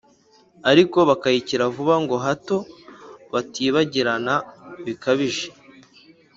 ariko bakayikira vuba, ngo hato batibagirana bikabije,